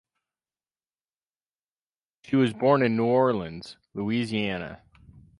She was born in New Orleans, Louisiana.